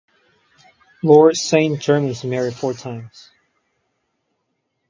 Lord Saint Germans married four times.